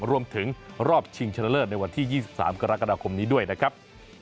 รวมถึงรอบชิงชนะเลิศในวันที่๒๓กรกฎาคมนี้ด้วยนะครับ